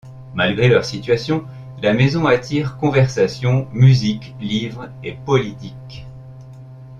Malgré leur situation, la maison attire conversation, musique, livres et politique.